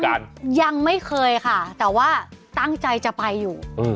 ยังไม่เคยค่ะแต่ว่าตั้งใจจะไปอยู่